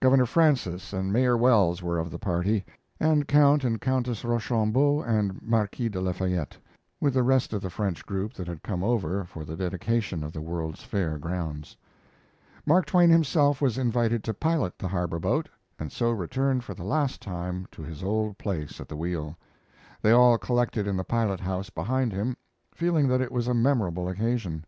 Governor Francis and Mayor Wells were of the party, and Count and Countess Rochambeau and Marquis de Lafayette, with the rest of the French group that had come over for the dedication of the World's Fair grounds. Mark Twain himself was invited to pilot the harbor boat, and so returned for the last time to his old place at the wheel. They all collected in the pilot house behind him, feeling that it was a memorable occasion.